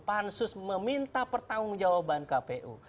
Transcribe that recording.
pansus meminta pertanggung jawaban kpu